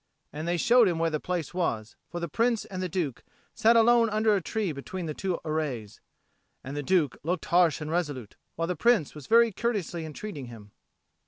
And they showed him where the place was; for the Prince and the Duke sat alone under a tree between the two arrays. And the Duke looked harsh and resolute, while the Prince was very courteously entreating him.